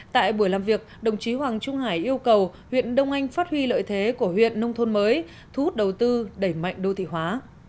tại buổi làm việc đồng chí hoàng trung hải yêu cầu huyện đông anh phát huy lợi thế của huyện nông thôn mới thu hút đầu tư đẩy mạnh đô thị hóa